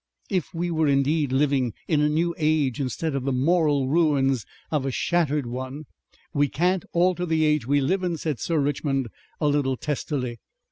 If we were indeed living in a new age Instead of the moral ruins of a shattered one " "We can't alter the age we live in," said Sir Richmond a little testily.